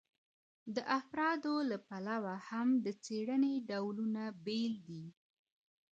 د افرادو له پلوه هم د څېړني ډولونه بېل دي.